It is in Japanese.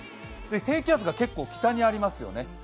低気圧が北にありますよね